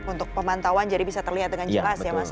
untuk pemantauan jadi bisa terlihat dengan jelas ya mas